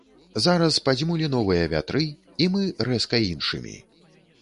Зараз падзьмулі новыя вятры і мы рэзка іншымі.